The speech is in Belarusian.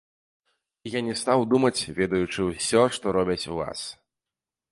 І я не стаў думаць, ведаючы ўсё, што робяць у вас.